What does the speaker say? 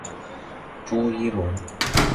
朱一龙